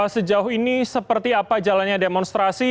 sejauh ini seperti apa jalannya demonstrasi